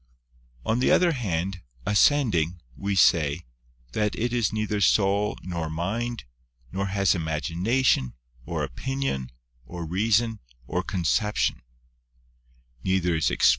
ON the other hand, ascending, we say, that It is neither soul, nor mind, nor has imagination, or opinion, or reason, or conception; neither is ex on Mystic Theology.